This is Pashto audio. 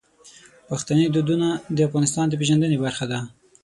پښتني دودونه د افغانستان د پیژندنې برخه دي.